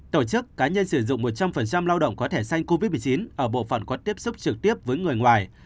tổ chức cá nhân sử dụng một trăm linh lao động có thẻ xanh covid một mươi chín ở bộ phận có tiếp xúc trực tiếp với người ngoài